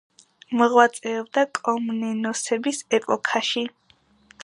მოღვაწეობდა კომნენოსების ეპოქაში.